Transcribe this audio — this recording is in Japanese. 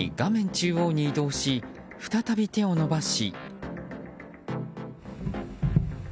中央に移動し再び手を伸ばし。